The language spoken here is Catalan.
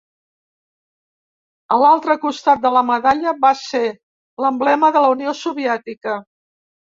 A l'altre costat de la medalla va ser l'emblema de la Unió Soviètica.